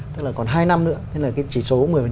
tức là còn hai năm nữa thế là cái chỉ số một mươi